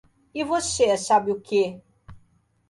E você sabe o que?